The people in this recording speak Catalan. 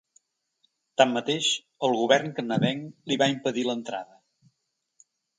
Tanmateix, el govern canadenc li hi va impedir l’entrada.